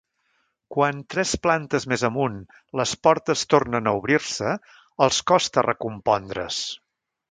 Quan, tres plantes més amunt, les portes tornen a obrir-se, els costa recompondre's.